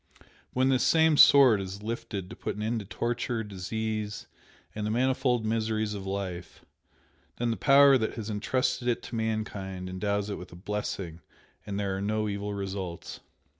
But when this same 'sword' is lifted to put an end to torture, disease, and the manifold miseries of life, then the Power that has entrusted it to mankind endows it with blessing and there are no evil results.